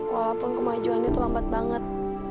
walaupun kemajuan itu lambat banget